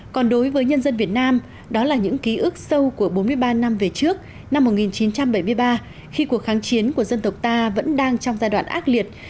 còn đối với nhân dân việt nam đó là những ký ức sâu của bốn mươi ba năm về trước năm một nghìn chín trăm bảy mươi ba khi cuộc kháng chiến của dân tộc ta vẫn đang trong giai đoạn ác liệt